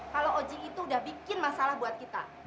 kalo oji itu udah bikin masalah buat kita